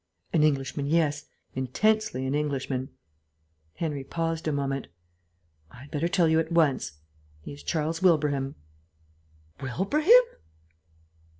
"An Englishman, yes. Intensely an Englishman." Henry paused a moment. "I had better tell you at once; he is Charles Wilbraham." "Wilbraham!"